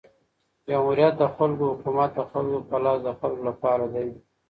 جمهوریت د خلکو حکومت د خلکو په لاس د خلکو له پاره دئ.